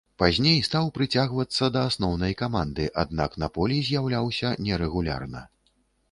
Пазней стаў прыцягвацца да асноўнай каманды, аднак на полі з'яўляўся нерэгулярна.